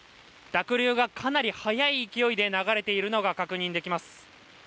濁流がかなり速い勢いで流れているのが確認できます。